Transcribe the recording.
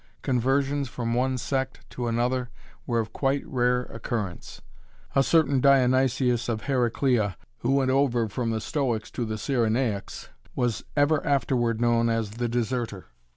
Conversions from one sect to another were of quite rare occurrence. A certain Dionysius of Heraclea, who went over from the Stoics to the Cyrenaics, was ever afterward known as "the deserter."